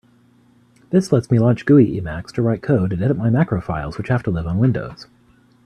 This lets me launch GUI Emacs to write code and edit my macro files which have to live on Windows.